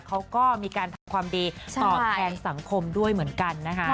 เขาก็มีการทำความดีตอบแทนสังคมด้วยเหมือนกันนะคะ